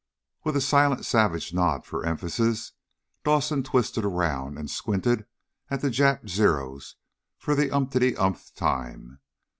With a silent savage nod for emphasis, Dawson twisted around and squinted at the Jap Zeros for the umpty umpth time.